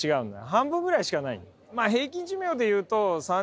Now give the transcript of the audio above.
半分ぐらいしかないのえっ！